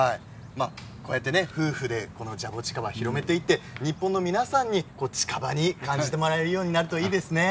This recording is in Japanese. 夫婦でジャボチカバ広めていって日本の皆さんに近場に感じてもらえるようになるといいですね。